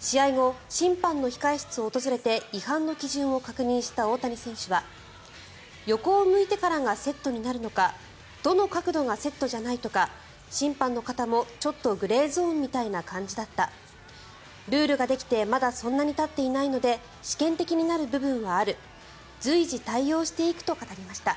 試合後、審判の控室を訪れて違反の基準を確認した大谷選手は横を向いてからがセットになるのかどの角度がセットじゃないとか審判の方もちょっとグレーゾーンみたいな感じだったルールができてまだそんなにたっていないので試験的になる部分はある随時対応していくと語りました。